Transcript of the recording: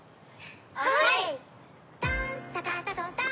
はい！